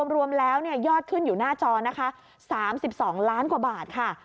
รวมแล้วยอดขึ้นอยู่หน้าจอนะคะ๓๒ล้านกว่าบาทค่ะ